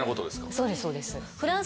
そうですそうです。